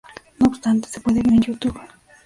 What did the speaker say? No obstante, se puede ver en YouTube.